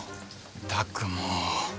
ったくもう。